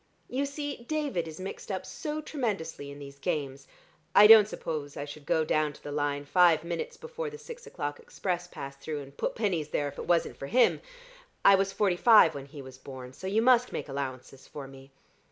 You see, David is mixed up so tremendously in these games: I don't suppose I should go down to the line five minutes before the six o'clock express passed through and put pennies there if it wasn't for him. I was forty five when he was born, so you must make allowances for me.